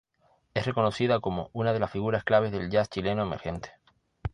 Es reconocida como una de las figuras claves del jazz chileno emergente.